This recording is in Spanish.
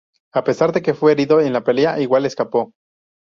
A pesar de que fue herido en la pelea, Iguana escapó.